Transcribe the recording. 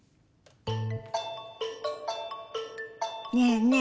ねえねえ